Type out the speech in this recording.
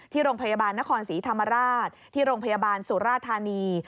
โรงพยาบาลนครศรีธรรมราชที่โรงพยาบาลสุราธานี